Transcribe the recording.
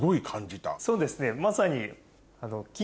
そうですねまさに。